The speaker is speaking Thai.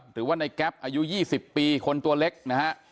หรือว่าในแก๊ปอายุ๒๐ปีคนตัวเล็กนะฮะ